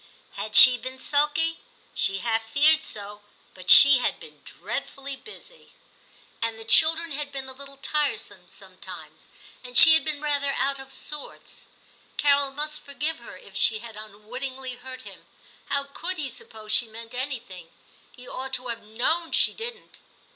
* Had she been sulky ? she half feared so ; but she had been dreadfully busy, and the 282 TIM CHAP. children had been a little tiresome sometimes, and she had been rather out of sorts. Carol must forgive her if she had unwittingly hurt him ; how could he suppose she meant any thing ; he ought to have known she didn't.'